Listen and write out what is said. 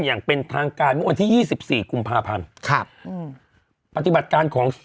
อย่างเป็นทางการเมื่อวันที่ยี่สิบสี่กุมภาพันธ์ครับอืมปฏิบัติการของ